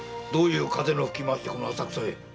どういう風の吹き回しでこの浅草へ？